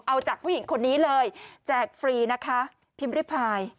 เอาจากผู้หญิงคนนี้เลยแจกฟรีนะคะพิมพ์ริพาย